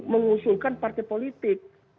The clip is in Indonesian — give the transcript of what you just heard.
mengusulkan partai politik